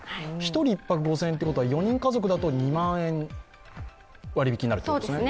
１人１泊５０００円ということは４人家族だと２万円割引になるというこですね。